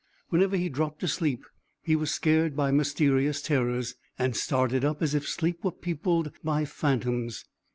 Whenever he dropped asleep he was scared by mysterious terrors, and started up as if sleep were peopled by phantoms.